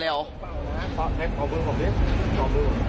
เอาเบื้องของนี้